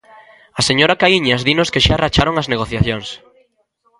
A señora Caíñas dinos que xa racharon as negociacións.